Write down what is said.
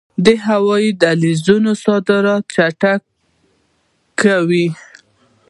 هوایی دهلیزونه صادرات چټکوي